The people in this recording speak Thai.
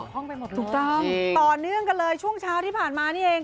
เกี่ยวข้องไปหมดแล้วต่อเนื่องกันเลยช่วงเช้าที่ผ่านมานี่เอง